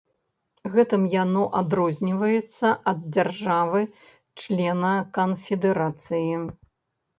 Гэтым яно адрозніваецца ад дзяржавы-члена канфедэрацыі.